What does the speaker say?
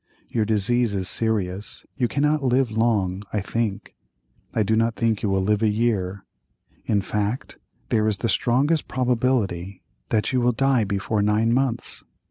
Your disease is serious, you cannot live long, I think—I do not think you will live a year—in fact, there is the strongest probability that you will die before nine months.